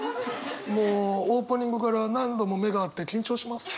もうオープニングから何度も目が合って緊張します。